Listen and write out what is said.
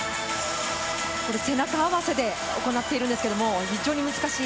これ背中合わせで行ってるんですけれど、非常に難しい。